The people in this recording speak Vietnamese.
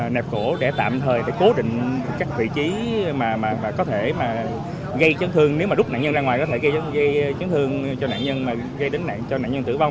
nẹp cổ để tạm thời cố định các vị trí mà có thể gây chấn thương nếu mà rút nạn nhân ra ngoài có thể gây chấn thương cho nạn nhân gây đến nạn nhân tử vong